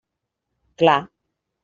Clar.